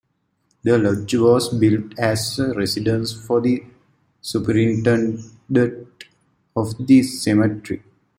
The lodge was built as a residence for the superintendent of the cemetery.